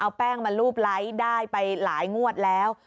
เอาแป้งมารูปไลค์ได้ไปหลายงวดแล้ว